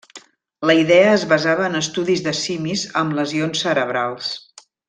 La idea es basava en estudis de simis amb lesions cerebrals.